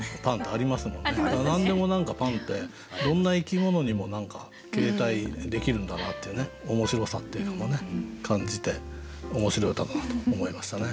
何でも何かパンってどんな生き物にも何か形態できるんだなっていう面白さっていうのも感じて面白い歌だなと思いましたね。